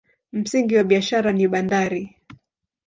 Msingi wa biashara ni bandari.